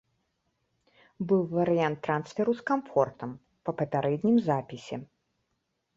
Быў варыянт трансферу з камфортам, па папярэднім запісе.